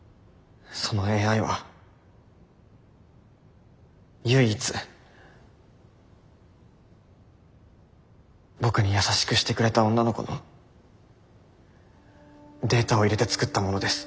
そのＡＩは唯一僕に優しくしてくれた女の子のデータを入れて作ったものです。